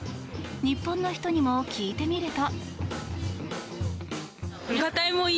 日本の人にも聞いてみると。